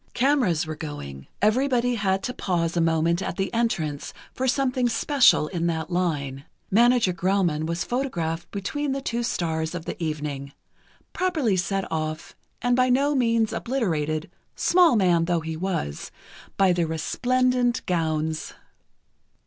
Cameras were going, everybody had to pause a moment at the entrance for something special in that line. Manager Grauman was photographed between the two stars of the evening, properly set off and by no means obliterated, small man though he was, by the resplendent gowns.